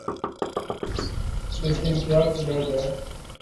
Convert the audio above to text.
لیکن کیا کیا جائے۔